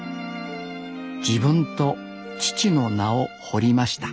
自分と父の名を彫りました